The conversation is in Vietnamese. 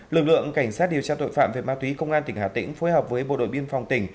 lực lượng cảnh sát điều tra tội phạm về ma túy công an tỉnh hà tĩnh phối hợp với bộ đội biên phòng tỉnh